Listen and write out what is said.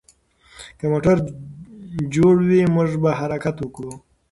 که موټر جوړ وي، موږ به حرکت وکړو.